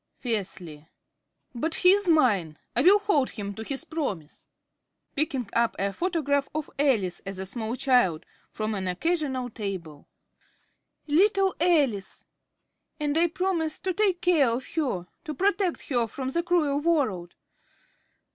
(Fiercely.) But he is mine; I will hold him to his promise! (Picking up a photograph of Alice as a small child from an occasional table.) Little Alice! And I promised to take care of her to protect her from the cruel world.